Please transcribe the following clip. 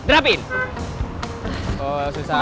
hai berhenti berhenti sangkap seragam seragam